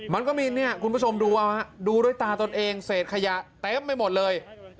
มันก็มีเนี่ยคุณผู้ชมดูเอาดูด้วยตาตนเองเศษขยะเต็มไปหมดเลย